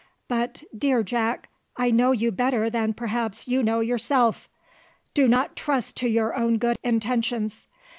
But, dear Jack, I know you better than perhaps you know yourself. Do not trust to your own good intentions.